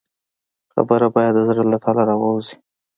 خبره باید د زړه له تله راووځي.